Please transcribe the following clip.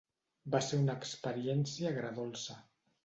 Va ser una experiència agredolça.